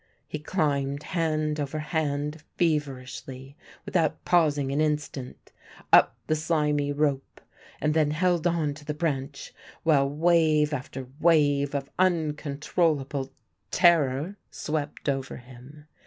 He climbed hand over hand feverishly, without pausing an instant, up the slimy rope and then held on to the branch, while wave after wave of uncontrollable terror swept over him.